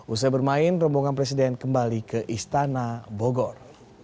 usai bermain rombongan presiden kembali ke istana bogor